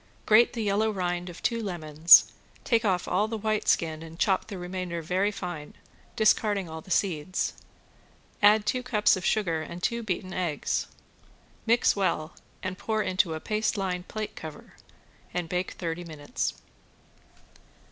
Grate the yellow rind of two lemons, take off all the white skin and chop the remainder very fine, discarding all the seeds. Add two cups of sugar and two beaten eggs. Mix well and pour into a paste lined plate cover, and bake thirty minutes.